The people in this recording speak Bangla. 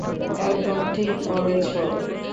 একদম ঠিক বলেছো!